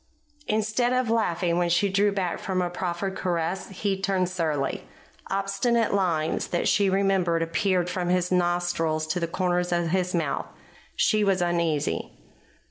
Instead of laughing when she drew back from a proffered caress, he turned surly. Obstinate lines that she remembered appeared from his nostrils to the corners of his mouth. She was uneasy.